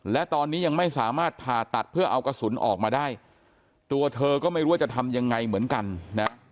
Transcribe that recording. และตอนนี้ยังไม่สามารถผ่าตัดเพื่อเอากระสุนออกมาได้ตัวเธอก็ไม่รู้ว่าจะทำยังไงเหมือนกันนะ